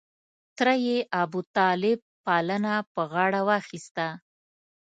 تره یې ابوطالب پالنه په غاړه واخسته.